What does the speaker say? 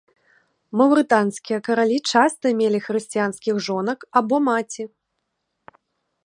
Маўрытанскія каралі часта мелі хрысціянскіх жонак або маці.